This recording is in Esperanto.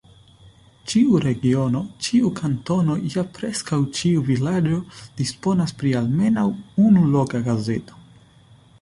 Ĉiu regiono, ĉiu kantono ja preskaŭ ĉiu vilaĝo disponas pri almenaŭ unu loka gazeto.